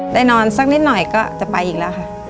ได้นอนสักนิดหน่อยก็จะไปอีกแล้วค่ะ